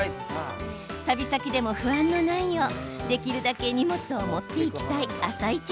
旅先でも不安のないようできるだけ荷物を持って行きたい「あさイチ」